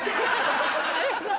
有吉さん